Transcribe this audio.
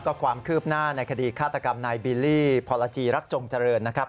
ก็ความคืบหน้าในคดีฆาตกรรมนายบิลลี่พรจีรักจงเจริญนะครับ